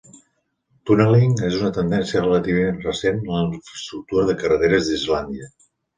Tunneling és una tendència relativament recent en la infraestructura de carreteres d'Islàndia.